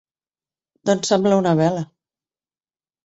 Doncs sembla una vela.